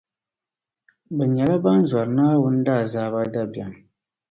Bɛ nyɛla ban zɔri Naawuni daazaaba dabiɛm.